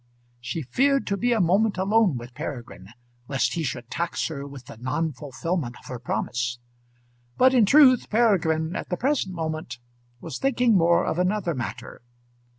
She feared to be a moment alone with Peregrine lest he should tax her with the non fulfilment of her promise. But in truth Peregrine at the present moment was thinking more of another matter.